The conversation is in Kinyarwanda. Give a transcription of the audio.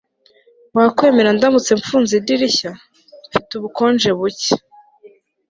wakwemera ndamutse mfunze idirishya? mfite ubukonje buke